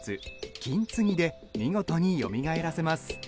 ・金継ぎで見事によみがえらせます。